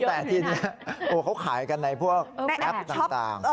แต่ทีนี้เขาขายกันในพวกแอปต่าง